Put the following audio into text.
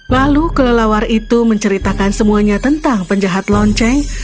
lalu kelelawar itu menceritakan semuanya tentang penjahat lonceng